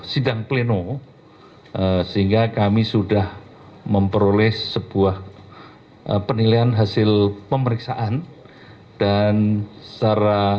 sidang pleno sehingga kami sudah memperoleh sebuah penilaian hasil pemeriksaan dan secara